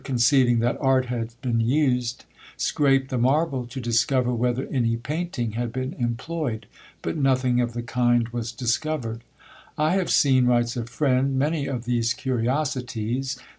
conceiving that art had been used, scraped the marble to discover whether any painting had been employed: but nothing of the kind was discovered. "I have seen," writes a friend, "many of these curiosities.